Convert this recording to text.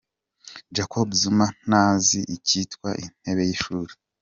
Jacob Zuma ntazi icyitwa intebe y’ishuri.